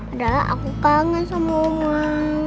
udah aku kangen sama oma